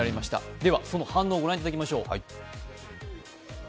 ではその反応を御覧いただきましょう。